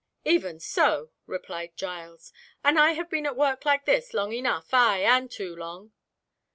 "Even so," replied Giles, "and I have been at work like this long enough, ay, and too long!"